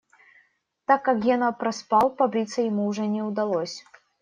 Так как Гена проспал, побриться ему уже не удалось.